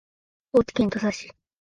高知県土佐市